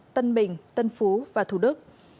tân bình tân phú và thủ đức